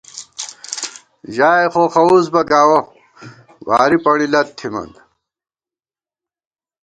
ژائے خوخوُس بہ گاوَہ، واری پݨی لت تھمان